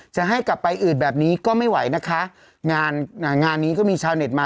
จะให้กลับไปอื่นแบบนี้ก็ไม่ไหวนะคะงานงานนี้ก็มีชาวเน็ตมา